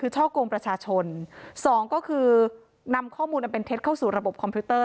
๑ช่อกลงประชาชน๒นำข้อมูลเป็นเท็จเข้าสู่ระบบคอมพิวเตอร์